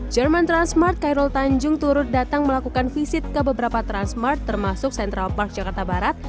jerman transmart khairul tanjung turut datang melakukan visit ke beberapa transmart termasuk central park jakarta barat